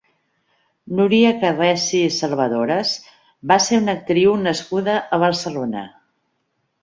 Nuria Carresi Salvadores va ser una actriu nascuda a Barcelona.